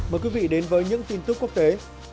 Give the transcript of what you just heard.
mời quý vị đến với những tin tức quốc tế